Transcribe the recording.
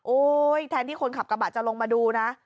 แทนที่คนขับกระบะจะลงมาดูนะ